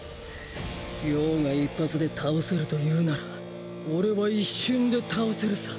葉が一発で倒せるというなら俺は一瞬で倒せるさ。